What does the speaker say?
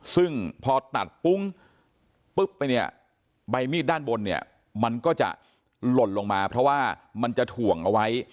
ซึ่งพอตัดปุ้งปุ๊บไปเนี่ยใบมีดด้านบนเนี่ยมันก็จะหล่นลงมาเพราะว่ามันจะถ่วงเอาไว้